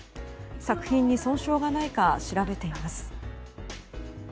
作品に損傷がないか調べています。